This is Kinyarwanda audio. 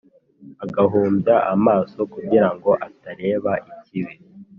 agahumbya amaso kugira ngo atareba ikibi.